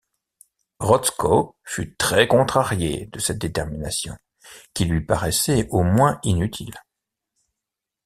Rotzko fut très contrarié de cette détermination, qui lui paraissait au moins inutile.